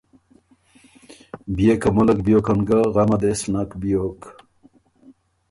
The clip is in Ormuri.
بيې که ملّک بیوکن ګه غمه دې سو نک بیوک“